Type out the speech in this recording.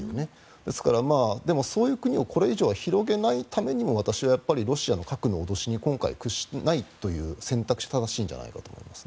ですから、でも、そういう国をこれ以上広げないためにも私はロシアの核の脅しに今回、屈しないという選択肢は正しいんじゃないかと思いますね。